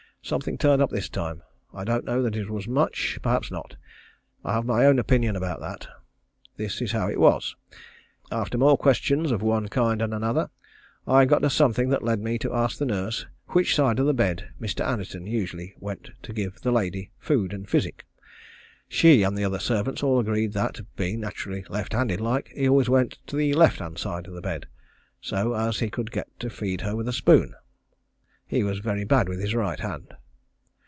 Something turned up this time. I don't know that it was much perhaps not. I have my own opinion about that. This is how it was. After more questions of one kind and another, I got to something that led me to ask the nurse which side of the bed Mr. Anderton usually went to give the lady food and physic. She and the other servants all agreed that, being naturally left handed like, he always went to the left hand side of the bed, so as he could get to feed her with a spoon. He was very bad with his right hand.